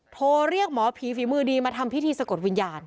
โทรเรียกหมอผีฝีมือดีมาทำพิธีสะกดวิญญาณ